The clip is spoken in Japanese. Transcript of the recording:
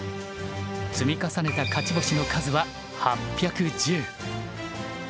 積み重ねた勝ち星の数は８１０。